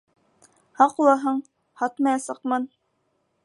Хаҡлыһың, һатмаясаҡмын.